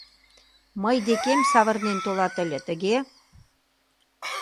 Мый декем савырнен толат ыле, тыге?